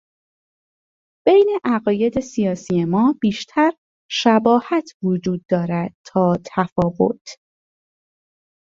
بین عقاید سیاسی ما بیشتر شباهت وجود دارد تا تفاوت.